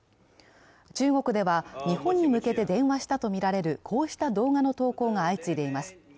中国では日本に向けて電話したとみられるこうした動画の投稿が相次いでいます。